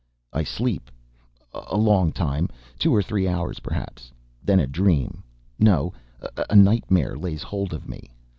I sleep a long time two or three hours perhaps then a dream no a nightmare lays hold on me.